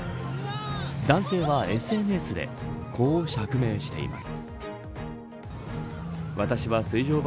男性はＳＮＳでこう釈明しています。